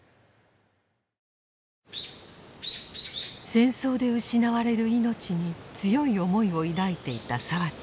戦争で失われる命に強い思いを抱いていた澤地さん。